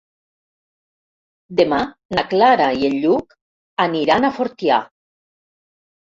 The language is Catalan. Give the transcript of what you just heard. Demà na Clara i en Lluc aniran a Fortià.